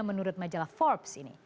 menurut majalah forbes ini